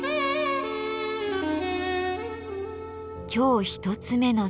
今日１つ目の壺